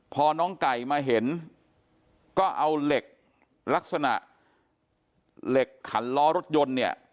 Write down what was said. พอน้องไก่มาเห็นก็เอาเหล็กลักษณะเหล็กขันล้อรถยนต์เนี่ย